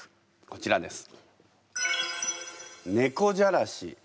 こちらです。